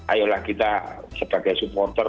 ayolah kita sebagai supporter